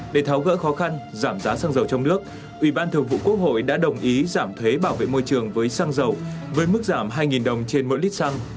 để tháo gỡ khó khăn giảm giá xăng dầu trong nước ủy ban thường vụ quốc hội đã đồng ý giảm thuế bảo vệ môi trường với xăng dầu với mức giảm hai đồng trên mỗi lít xăng